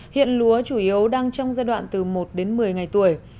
hiện lúa chủ yếu đang trong giai đoạn từ một đến một mươi ngày tuổi